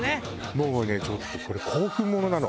もうねちょっとこれ興奮ものなの。